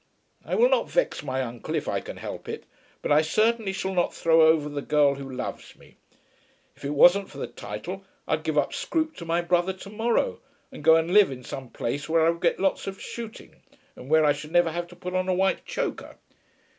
I will not vex my uncle if I can help it, but I certainly shall not throw over the girl who loves me. If it wasn't for the title, I'd give up Scroope to my brother to morrow, and go and live in some place where I could get lots of shooting, and where I should never have to put on a white choker."